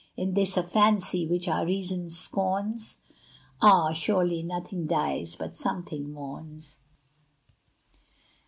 Is this a fancy which our reason scorns? Ah! surely nothing dies but something mourns.